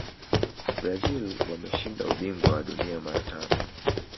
brazil wameshinda ubingwa wa dunia mara tano